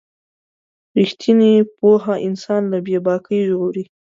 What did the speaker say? رښتینې پوهه انسان له بې باکۍ ژغوري.